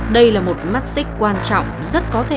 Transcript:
đây là một mắt xích quan trọng rất có thể